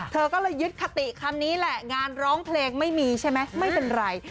เธอก็เลยยึดคติคำนี้แหละงานร้องเพลงไม่มีใช่ไหมไม่เป็นไร